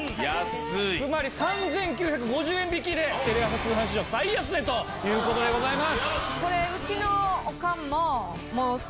つまり３９５０円引きでテレ朝通販史上最安値という事でございます。